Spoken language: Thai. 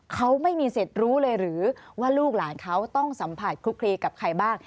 เขาไม่มีสิทธิ์รู้เลยหรือว่าลูกหลานเขาต้องสัมผัสคลุกคลีกับใครบ้าง